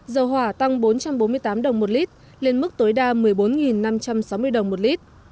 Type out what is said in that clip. dầu hỏa tăng bốn trăm ba mươi tám đồng một lit lên mức tối đa một mươi bốn năm trăm sáu mươi đồng một lit